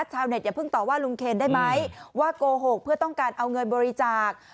อย่าเพิ่งต่อว่าลุงเคนได้ไหมว่าโกหกเพื่อต้องการเอาเงินบริจาค